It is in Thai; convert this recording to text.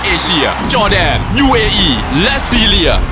เอเชียจอแดนยูเออีและซีเรีย